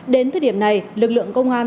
đến thời điểm này lực lượng công an